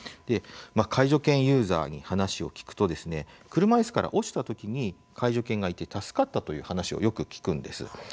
介助犬ユーザーに話を聞くと車いすから落ちたときに介助犬がいて助かったという話をよく聞くんです。